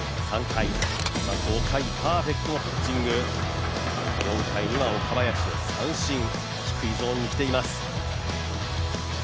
５回、パーフェクトピッチング、４回には岡林を三振低いゾーンに来ています。